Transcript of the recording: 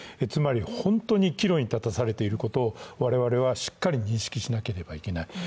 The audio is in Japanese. つまり本当に岐路に立たされていることを我々はしっかり認識しなければいけない。